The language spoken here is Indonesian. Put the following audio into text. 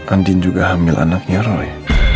andin juga hamil anaknya roy